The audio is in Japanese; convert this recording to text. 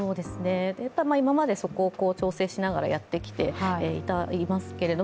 今までそこを調整しながらやってきていますけれども、